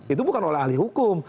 itu bukan oleh ahli hukum